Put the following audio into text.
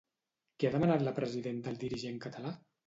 Què ha demanat la presidenta al dirigent català?